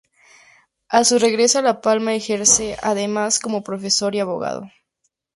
A su regreso a La Palma ejerce, además, como profesor y abogado.